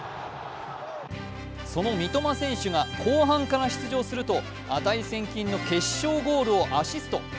その三苫選手が後半から出場すると値千金の決勝ゴールをアシスト。